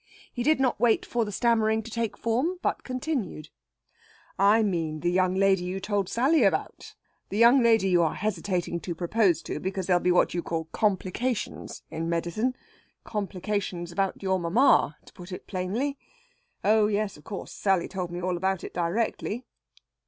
He did not wait for the stammering to take form, but continued: "I mean the young lady you told Sally about the young lady you are hesitating to propose to because there'll be what you call complications in medicine complications about your mamma, to put it plainly.... Oh yes, of course, Sally told me all about it directly."